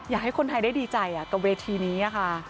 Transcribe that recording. อยากให้คนไทยได้ดีใจกับเวทีนี้ค่ะ